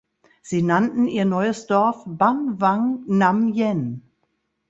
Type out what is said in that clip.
Sie nannten ihr neues Dorf Ban Wang Nam Yen.